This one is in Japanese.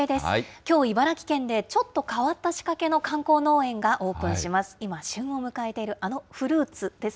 きょう、茨城県でちょっと変わった仕掛けの観光農園がオープンします。